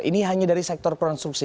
ini hanya dari sektor konsumsi